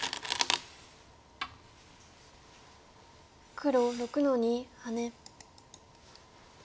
黒６の二ハネ。